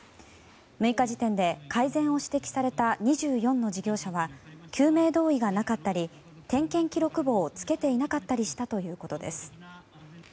６日時点で改善を指摘された２４の事業者は救命胴衣がなかったり点検記録簿をつけていなかったりしたということです。